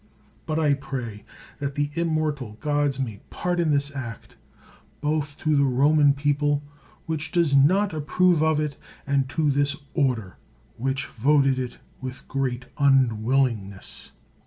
But I pray that the immortal gods may pardon this act, both to the Roman peo 155 THE WORLD'S FAMOUS ORATIONS pie, which does not approve of it, and to this order, which voted it with great unwillingness.